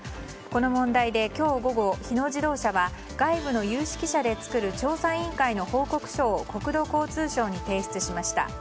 この問題で今日午後日野自動車は外部の有識者で作る調査委員会の報告書を国土交通省に提出しました。